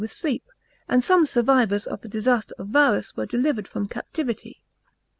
241 with sleep; and some survivors of the disaster of Varus were delivered from captivity.